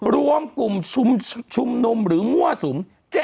รวมกลุ่มชุมนุมหรือมั่วสุม